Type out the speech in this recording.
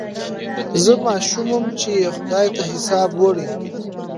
زه ماشوم وم چي یې خدای ته حساب وړی